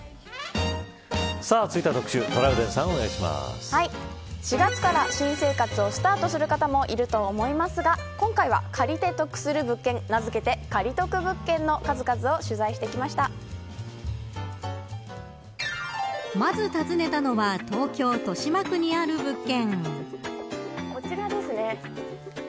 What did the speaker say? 続いては特集４月から新生活をスタートする方もいると思いますが今回は借りて得する物件名付けて借り得物件の数々をまず、訪ねたのは東京、豊島区にある物件。